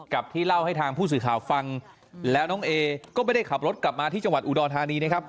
ที่เล่าให้ทางผู้สื่อข่าวฟังแล้วน้องเอก็ไม่ได้ขับรถกลับมาที่จังหวัดอุดรธานีนะครับ